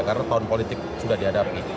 karena tahun politik sudah dihadapi